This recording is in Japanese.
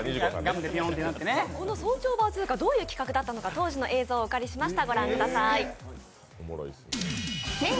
「早朝バズーカ」どういう企画だったのか、当時の映像をお借りしました。